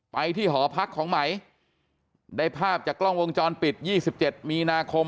ไปที่หอพักของไหมได้ภาพจากกล้องวงจรปิด๒๗มีนาคม